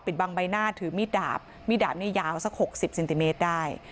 บางใบหน้าถือมีดดาบมีดดาบนี่ยาวสักหกสิบเซนติเมตรได้